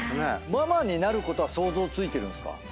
ママになることは想像ついてるんですか？